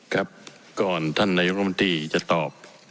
ครับก่อนท่านนายกรมนตรีจะตอบ